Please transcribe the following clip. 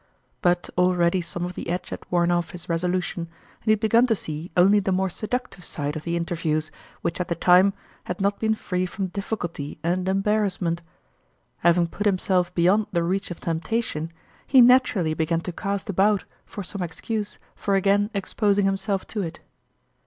But already some of the edge had worn off his resolution, and he had begun to see only the more seductive side of interviews which at the time, had not been free from difficulty and embarrassment. Having put himself be yond the reach of temptation, he naturally began to cast about for some excuse for again exposing himself to it.